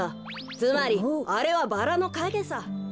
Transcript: つまりあれはバラのかげさ。